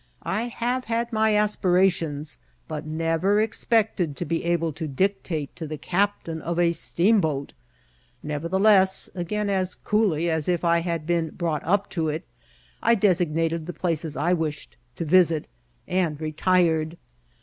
I have had my aspirations, but never ex pected to be able to dictate to the captain of a steam boat. Nevertheless, again as coolly as if I had been brought up to it, I designated the places I wished to visit, and retired.